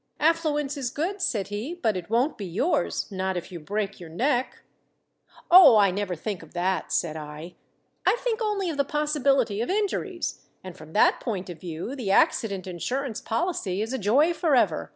"Affluence is good," said he; "but it won't be yours not if you break your neck." "Oh, I never think of that," said I. "I think only of the possibility of injuries, and from that point of view the accident insurance policy is a joy forever.